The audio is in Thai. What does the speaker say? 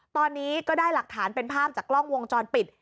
ตอนนี้ก็ได้หลักฐานเป็นภาพจากกล้องวงจรปิด